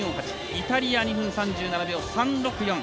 イタリア、２分３７秒３６４。